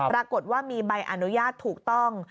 ปรากฏว่ามีใบอนุญาตถูกต้อง